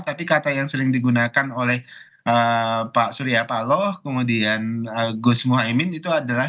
tapi kata yang sering digunakan oleh pak surya paloh kemudian gus muhaymin itu adalah